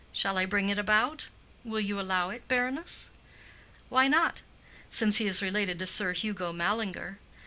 Shall I bring it about? Will you allow it, baroness?" "Why not?—since he is related to Sir Hugo Mallinger.